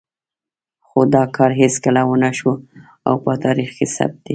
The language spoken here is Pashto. خو دا کار هېڅکله ونه شو او په تاریخ کې ثبت دی.